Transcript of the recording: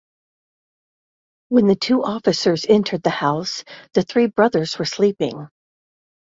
When the two officers entered the house the three brothers were sleeping.